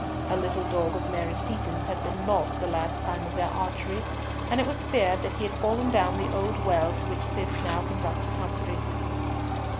A little dog of Mary Seaton's had been lost the last time of their archery, and it was feared that he had fallen down the old well to which Cis now conducted Humfrey.